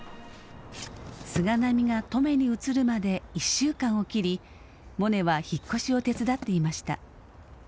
菅波が登米に移るまで１週間を切りモネは引っ越しを手伝っていました。